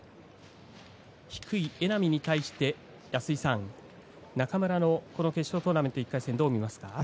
低い榎波に対して中村の決勝トーナメント１回戦どう見ますか？